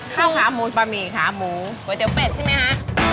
ข้าวขาหมูบะหมี่ขาหมูก๋วยเตี๋ยเป็ดใช่ไหมคะ